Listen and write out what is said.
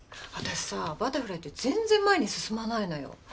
私さバタフライって全然前に進まないのよ。